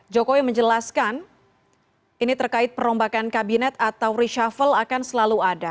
jokowi menjelaskan ini terkait perombakan kabinet atau reshuffle akan selalu ada